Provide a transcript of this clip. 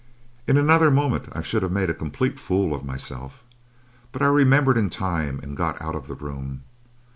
"In another moment I should have made a complete fool of myself, but I remembered in time and got out of the room.